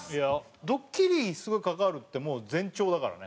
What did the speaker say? ドッキリすごいかかるってもう前兆だからね。